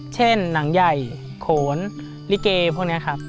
เช่นหนังใหญ่โขนลิเกพวกนี้ครับ